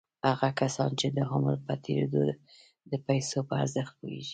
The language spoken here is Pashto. هغه کسان چې د عمر په تېرېدو د پيسو په ارزښت پوهېږي.